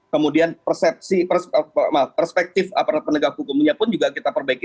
kemudian perspektif aparat penegak hukumnya pun juga kita perbaiki